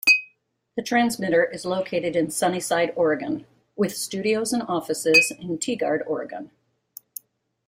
The transmitter is located in Sunnyside, Oregon with studios and offices in Tigard, Oregon.